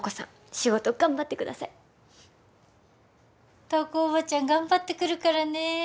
仕事頑張ってください瞳子おばちゃん頑張ってくるからね